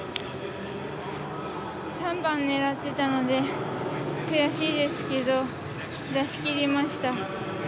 ３番を狙っていたので悔しいですけど出し切りました。